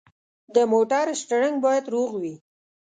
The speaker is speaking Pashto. د موټر سټیرینګ باید روغ وي.